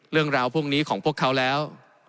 เรื่องราวพวกนี้ของพวกเขาแล้ว